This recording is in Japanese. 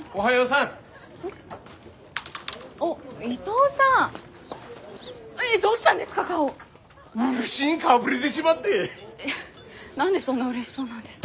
いや何でそんなうれしそうなんですか？